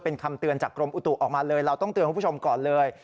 เป็นคำเตือนจากกรมอุตุออกมาเลยเราต้องเตือนคุณผู้ชมก่อนเลย